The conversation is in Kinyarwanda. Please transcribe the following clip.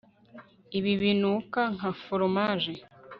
ibi binuka nka foromaje